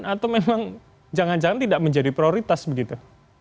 atau memang jangan jangan tidak menjadi prioritas begitu